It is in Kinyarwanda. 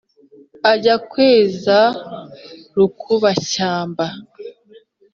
ajya kwenza rukuba shyamba